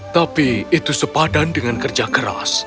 tapi itu sepadan dengan kerja keras